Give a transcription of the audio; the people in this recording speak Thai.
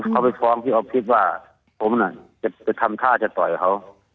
เขาไปฟ้องพี่ออฟฟิศว่าผมน่ะจะไปทำท่าจะต่อยเขา